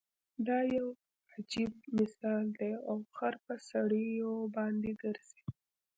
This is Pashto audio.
دا يو عجیب مثال دی او خر په سړیو باندې ګرځي.